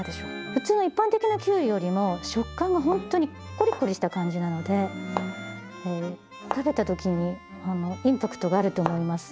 普通の一般的なキュウリよりも食感がほんとにコリコリした感じなので食べた時にインパクトがあると思います。